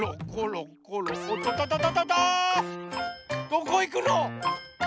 どこいくの？